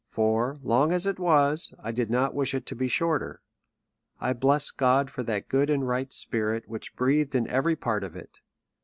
For, long as it was, I did not wish it to be shorter. I bless God for that good and right spirit, which breathed in every part of it.